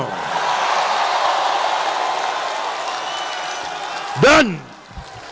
prestasi dan hasil hasil presiden susilo bambang yudhoyono